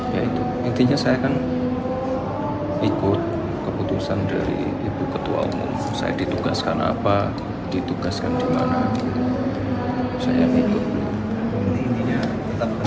ya itu intinya saya kan ikut keputusan dari ibu ketua umum saya ditugaskan apa ditugaskan di mana saya ikut pemilu